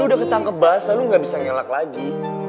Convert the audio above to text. lo udah ketangkebasan lo gak bisa ngelak lagi